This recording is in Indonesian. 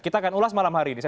kita akan ulas malam hari ini